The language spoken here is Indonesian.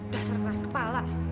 dasar keras kepala